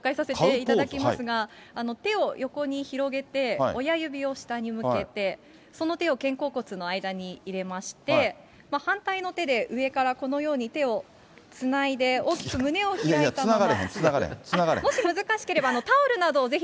手を横に広げて、親指を下に向けて、その手を肩甲骨の間に入れまして、反対の手で上からこのように、手をつないで、大きく胸を開いたまま。